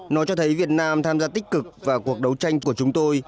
nó cho thấy việt nam tham gia tích cực vào cuộc đấu tranh của chúng tôi